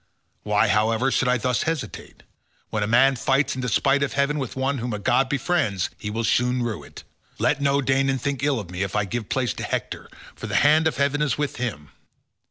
Why, however, should I thus hesitate? When a man fights in despite of heaven with one whom a god befriends, he will soon rue it. Let no Danaan think ill of me if I give place to Hector, for the hand of heaven is with him.